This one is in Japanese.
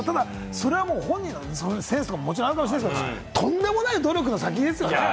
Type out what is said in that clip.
それは本人のセンスとか、もちろんあると思いますけれども、とんでもない努力の先ですよね。